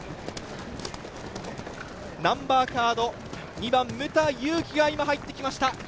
ナンバーカード２番・牟田祐樹が今入ってきました